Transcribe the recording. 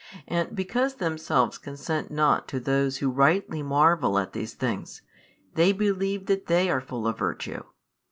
And because themselves consent not to those who rightly marvel at these things, they believe that they are full of virtue.